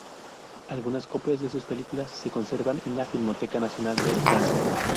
Algunas copias de sus películas se conservan en la Filmoteca Nacional de Francia.